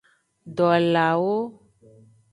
Dolawo.